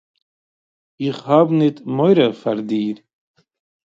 איך האָב ניט מורא פֿאַר דיר.